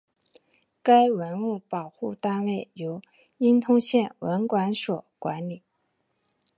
该文物保护单位由伊通县文管所管理。